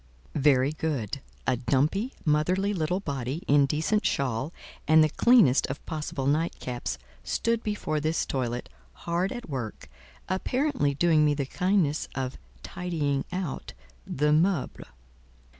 Very good. A dumpy, motherly little body, in decent shawl and the cleanest of possible nightcaps, stood before this toilet, hard at work apparently doing me the kindness of "tidying out" the "meuble."